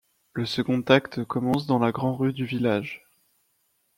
Le second acte commence dans la grand rue du village.